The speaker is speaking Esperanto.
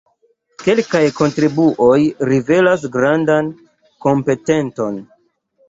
Kelkaj kontribuoj rivelas grandan kompetenton.